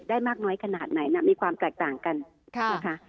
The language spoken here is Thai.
มากน้อยขนาดไหนนะมีความแตกต่างกันนะคะ